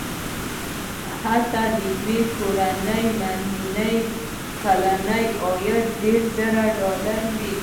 هلته د یوې کورنۍ منځنی کلنی عاید دېرش زره ډالر دی.